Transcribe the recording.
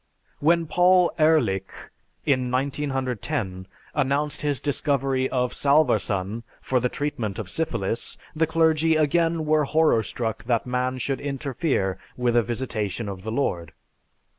When Paul Ehrlich, in 1910, announced his discovery of salvarsan for the treatment of syphilis, the clergy again were horror struck that man should interfere with a visitation of the Lord.